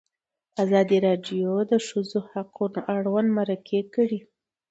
ازادي راډیو د د ښځو حقونه اړوند مرکې کړي.